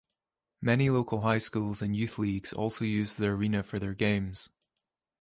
Many local high schools and youth leagues also use the arena for their games.